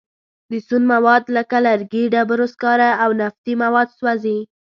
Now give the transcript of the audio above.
د سون مواد لکه لرګي، ډبرو سکاره او نفتي مواد سوځي.